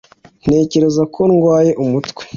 ntekereza ko ndwaye umutwe